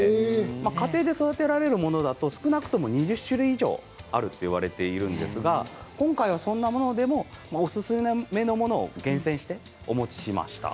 家庭で育てられるものだと少なくとも２０種類以上あると言われているんですが今回は、そんなものでもおすすめのものを厳選してお持ちしました。